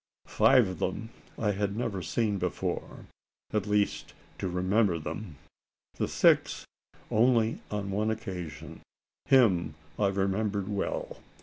Five of them I had never seen before at least to remember them. The sixth only on one occasion. Him I remembered well.